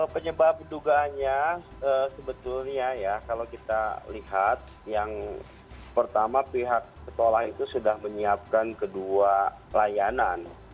penyebab dugaannya sebetulnya ya kalau kita lihat yang pertama pihak sekolah itu sudah menyiapkan kedua layanan